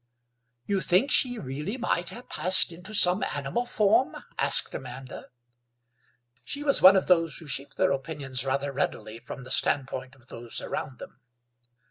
"You think she really might have passed into some animal form?" asked Amanda. She was one of those who shape their opinions rather readily from the standpoint of those around them.